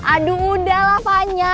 aduh mudah lah fanya